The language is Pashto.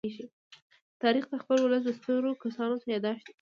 تاریخ د خپل ولس د سترو کسانو يادښت دی.